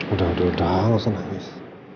udah udah gak usah nangis